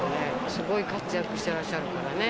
すごい活躍してらっしゃるからね。